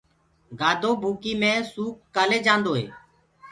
گآڌو ڀوڪي مي سوڪَ ڪآلي جآنٚدوئي